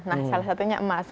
nah salah satunya emas